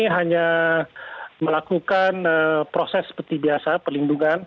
hanya melakukan proses seperti biasa perlindungan